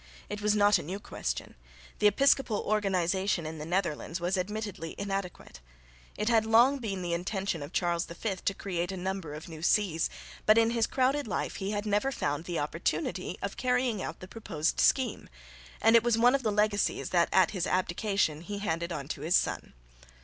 It was not a new question. The episcopal organisation in the Netherlands was admittedly inadequate. It had long been the intention of Charles V to create a number of new sees, but in his crowded life he had never found the opportunity of carrying out the proposed scheme, and it was one of the legacies that at his abdication he handed on to his son.